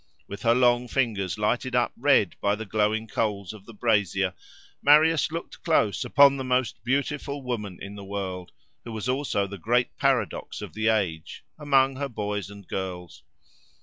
With her long fingers lighted up red by the glowing coals of the brazier Marius looked close upon the most beautiful woman in the world, who was also the great paradox of the age, among her boys and girls.